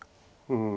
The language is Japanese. うん。